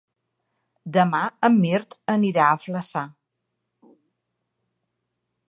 Demà en Mirt anirà a Flaçà.